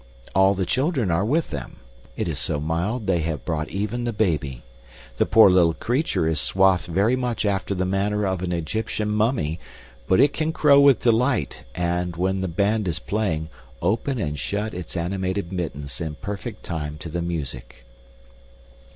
All the children are with them. It is so mild, they have brought even the baby. The poor little creature is swathed very much after the manner of an Egyptian mummy, but it can crow with delight and, when the band is playing, open and shut its animated mittens in perfect time to the music.